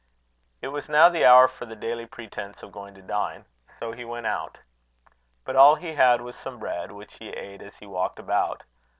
It was now the hour for the daily pretence of going to dine. So he went out. But all he had was some bread, which he ate as he walked about.